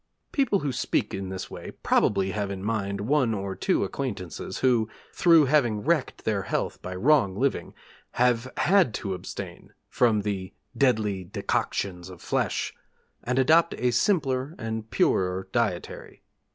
People who speak in this way probably have in mind one or two acquaintances who, through having wrecked their health by wrong living, have had to abstain from the 'deadly decoctions of flesh' and adopt a simpler and purer dietary.